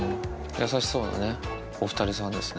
優しそうなお２人さんですね。